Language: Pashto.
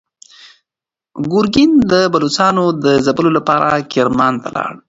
ګورګین د بلوڅانو د ځپلو لپاره کرمان ته لاړ.